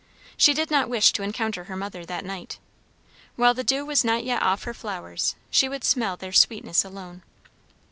She did not wish to encounter her mother that night. While the dew was not yet off her flowers, she would smell their sweetness alone.